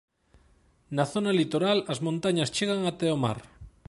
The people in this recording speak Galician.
Na zona litoral as montañas chegan até o mar.